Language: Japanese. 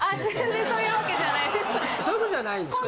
全然そういうわけじゃないです。